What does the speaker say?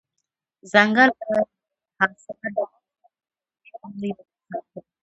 دځنګل حاصلات د افغانستان د جغرافیوي تنوع یو مثال دی.